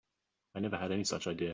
I never had any such idea.